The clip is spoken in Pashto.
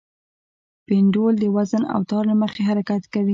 پینډول د وزن او تار له مخې حرکت کوي.